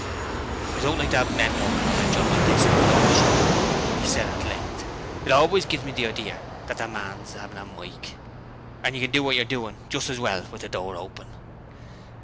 'I don't like to have men working on a job like this with the door shut,' he said at length. 'It always gives me the idear that the man's 'avin a mike. You can do what you're doin' just as well with the door open.'